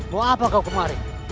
mau apa kau kemarin